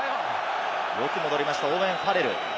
よく戻りました、オーウェン・ファレル。